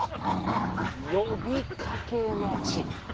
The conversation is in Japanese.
呼びかけの地。